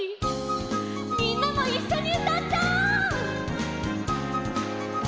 みんなもいっしょにうたっちゃおう！